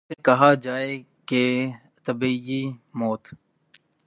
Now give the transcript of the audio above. جسے کہا جائے کہ طبیعی موت